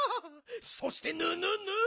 そしてぬぬぬ？